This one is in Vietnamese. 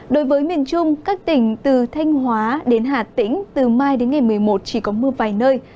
đối với miền trung các tỉnh từ thanh hóa đến hà tĩnh từ mai đến ngày một mươi một chỉ có mưa vài nơi